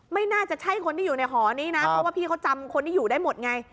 ไม่น่าจะใช่คนที่อยู่ในหอนี้นะเพราะว่าพี่เขาจำคนที่อยู่ได้หมดไง